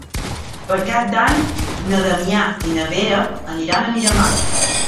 Per Cap d'Any na Damià i na Vera aniran a Miramar.